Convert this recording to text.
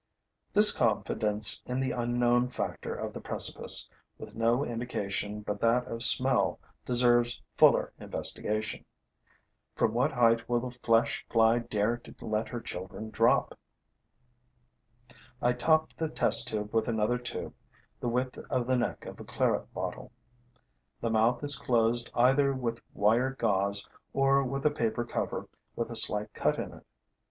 This confidence in the unknown factor of the precipice, with no indication but that of smell, deserves fuller, investigation. From what height will the flesh fly dare to let her children drop? I top the test tube with another tube, the width of the neck of a claret bottle. The mouth is closed either with wire gauze, or with a paper cover with a slight cut in it.